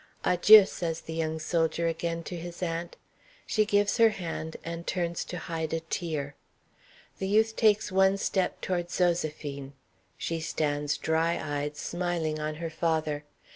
"Adjieu," says the young soldier again to his aunt. She gives her hand and turns to hide a tear. The youth takes one step toward Zoséphine. She stands dry eyed, smiling on her father.